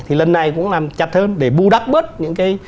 thì lần này cũng làm chặt hơn để bù đắp bớt những cái